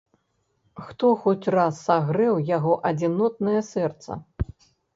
Хто хоць раз сагрэў яго адзінотнае сэрца?